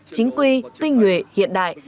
chính quy tinh nguyện hiện đại